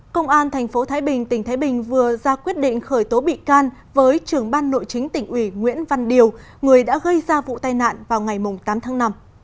công an tp thái bình tỉnh thái bình vừa ra quyết định khởi tố bị can với trưởng ban nội chính tỉnh ủy nguyễn văn điều người đã gây ra vụ tai nạn vào ngày tám tháng năm